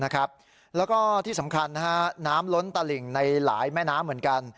แล้วก็ที่สำคัญน้ำล้นตลิ่งในหลายแม่น้ำเหมือนกัน